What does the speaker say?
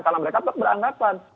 kalau mereka beranggapan